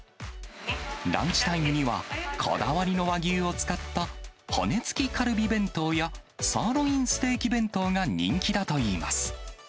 ランチタイムには、こだわりの和牛を使った骨付きカルビ弁当や、サーロインステーキ弁当が人気だといいます。